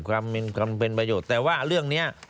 ความเป็นประโยชน์แต่ว่าเรื่องนี้